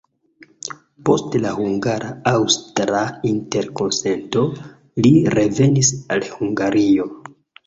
Post la hungara-aŭstra interkonsento, li revenis al Hungario.